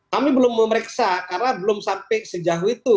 kami belum memeriksa karena belum sampai sejauh itu